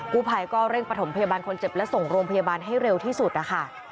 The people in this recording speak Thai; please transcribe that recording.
ผู้ภัยก็เร่งประถมพยาบาลคนเจ็บและส่งโรงพยาบาลให้เร็วที่สุดนะคะ